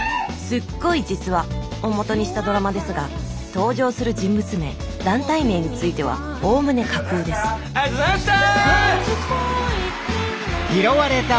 すっごい実話！をもとにしたドラマですが登場する人物名団体名についてはおおむね架空ですありがとうございました！